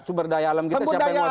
sumber daya alam kita siapa yang mau